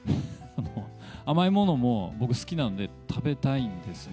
甘いものも僕、好きなんで、食べたいんですね。